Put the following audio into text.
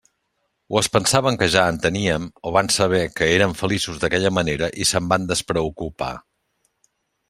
O es pensaven que ja en teníem, o van saber que érem feliços d'aquella manera i se'n van despreocupar.